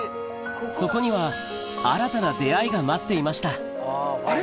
そこには新たな出会いが待っていましたあれ？